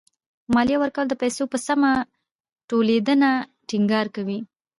ماليه ورکوونکي د پيسو په سمه ټولېدنه ټېنګار کوي.